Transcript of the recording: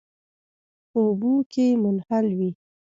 په اوبو کې منحل وي.